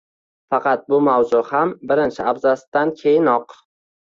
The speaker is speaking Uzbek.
Faqat bu mavzu ham birinchi abzatsdan keyinoq